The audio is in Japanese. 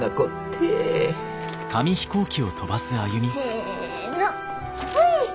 せのほい！